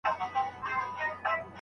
انتيک پلورونکي به ساعت نه وي رد کړی.